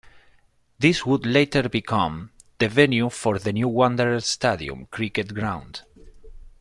This would later become the venue for the new Wanderers Stadium cricket ground.